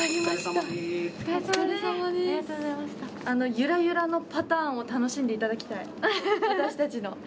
あのゆらゆらのパターンを楽しんでいただきたい私たちの。